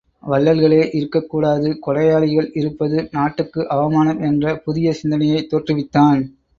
வள்ளல்களே இருக்கக் கூடாது கொடையாளிகள் இருப்பது நாட்டுக்கு அவமானம் என்ற ஒரு புதிய சிந்தனையைத் தோற்றுவித்தான்.